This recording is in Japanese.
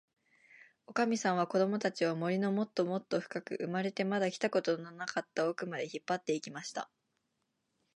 おかみさんは、こどもたちを、森のもっともっとふかく、生まれてまだ来たことのなかったおくまで、引っぱって行きました。